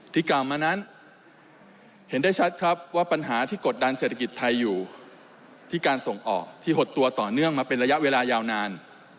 กล่าวมานั้นเห็นได้ชัดครับว่าปัญหาที่กดดันเศรษฐกิจไทยอยู่ที่การส่งออกที่หดตัวต่อเนื่องมาเป็นระยะเวลายาวนาน